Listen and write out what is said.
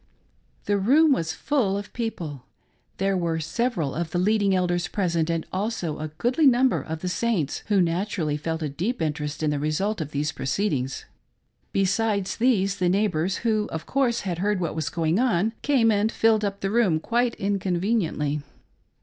The room was full of people. There were several of the leading elders present, and also a goodly number of the Saints, who naturally felt a deep interest in the result of these proceedings ; besides these, the neighbors who, of course, had heard what was going on, came and filled up the room quite inconveniently.